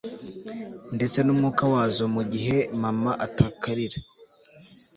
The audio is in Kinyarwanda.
ndetse numwuka wazo mu gihe mama atakarira